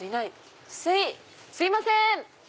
すいません！